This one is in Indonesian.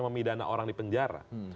memidana orang di penjara